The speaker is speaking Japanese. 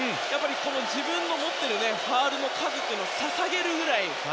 自分の持っているファウルの数というのを捧げるくらい。